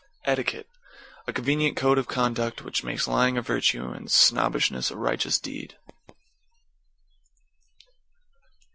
=ETIQUETTE= A convenient code of conduct which makes Lying a virtue and Snobbishness a righteous deed.